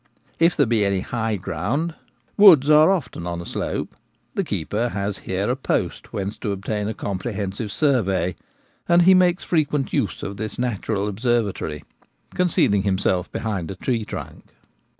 If there be any high ground — woods are often on a slope — the keeper has here a post whence to obtain a comprehensive survey, and he makes frequent use of this natural observatory, concealing himself behind a tree trunk.